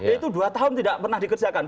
itu dua tahun tidak pernah dikerjakan